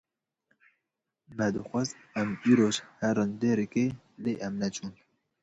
Me dixwest em îroj herin Dêrikê lê em neçûn.